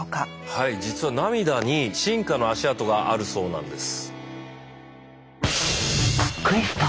はい実は涙に進化の足跡があるそうなんです。